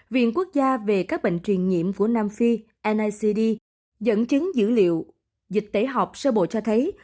viện quốc gia về các bệnh truyền nhiễm của nam phi nicd dẫn chứng dữ liệu dịch tẩy họp sơ bộ cho thấy